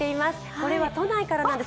これは都内からなんです。